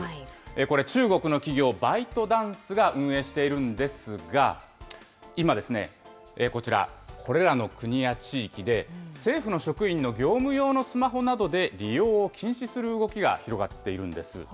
これ、中国の企業、バイトダンスが運営しているんですが、今、こちら、これらの国や地域で、政府の職員の業務用のスマホなどで利用を禁止する動きが広がっているんです。